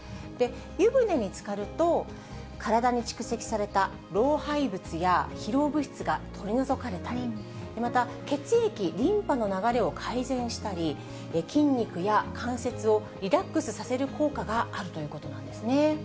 湯船につかると、体に蓄積された老廃物や疲労物質が取り除かれたり、また血液、リンパの流れを改善したり、筋肉や関節をリラックスさせる効果があるということなんですね。